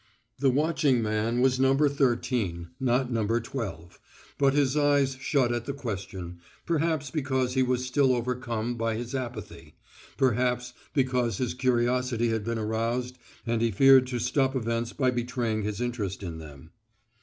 The watching man was No. Thirteen, not No. Twelve, but his eyes shut at the question, perhaps because he was still overcome by his apathy, perhaps because his curiosity had been aroused and he feared to stop events by betraying his interest in them.